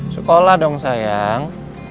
sekolah dong sayang